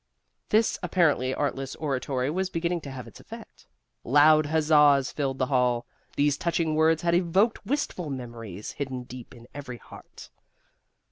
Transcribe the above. This apparently artless oratory was beginning to have its effect. Loud huzzas filled the hall. These touching words had evoked wistful memories hidden deep in every heart.